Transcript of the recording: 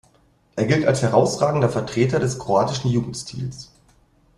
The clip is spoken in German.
Er gilt als herausragender Vertreter des kroatischen Jugendstils.